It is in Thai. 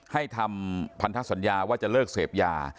ให้ทำพันธสัญญาว่าจะเลิกเสพยา